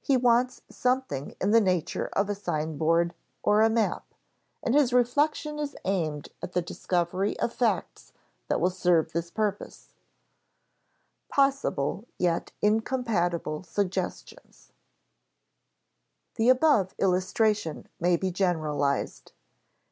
He wants something in the nature of a signboard or a map, and his reflection is aimed at the discovery of facts that will serve this purpose. [Sidenote: Possible, yet incompatible, suggestions] The above illustration may be generalized.